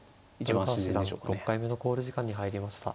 ６回目の考慮時間に入りました。